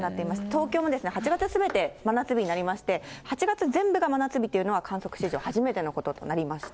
東京も８月すべて真夏日になりまして、８月全部が真夏日というのは、観測史上初めてのこととなりました。